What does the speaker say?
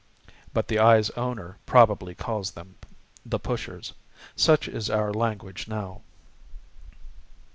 (But the eye's owner probably calls them the "pushers." Such is our language now.)